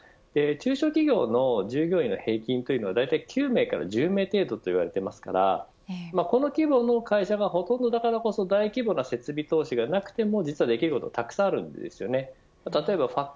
中小企業の従業員の平均というのは大体９名から１０名程度と言われていますからこの規模の会社がほとんどだからこそ、大規模な設備投資がなくてもできることはたくさんあります。